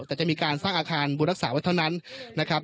แต่จะมีการสร้างอาคารบุตรรักษาไว้เท่านั้นนะครับ